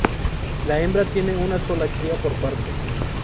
La hembra tiene una sola cría por parto.